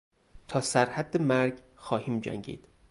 تا سر حد مرگ خواهیم جنگید.